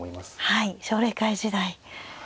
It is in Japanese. はい奨励会時代。